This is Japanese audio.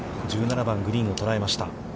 １７番、グリーンを捉えました。